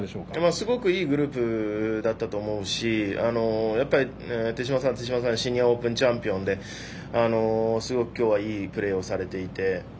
すごくいいグループだったと思うしやっぱり手嶋さんはシニアオープンチャンピオンですごく今日はいいプレーをされていて。